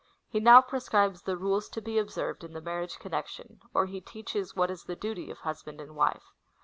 He now prescribes the rules to be observed in the marriage connection, or he teaches what is the duty of husband and wife.